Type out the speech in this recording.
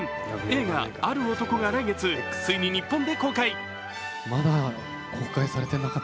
映画「ある男」が来月、ついに日本で公開。